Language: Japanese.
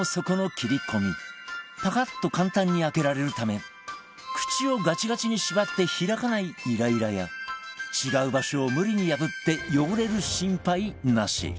パカッと簡単に開けられるため口をガチガチに縛って開かないイライラや違う場所を無理に破って汚れる心配なし